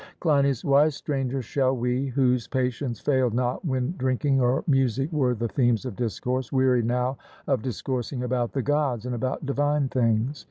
CLEINIAS: Why, Stranger, shall we, whose patience failed not when drinking or music were the themes of discourse, weary now of discoursing about the Gods, and about divine things?